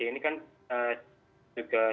ini kan juga